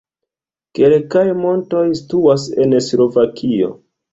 Kelkaj montoj situas en Slovakio.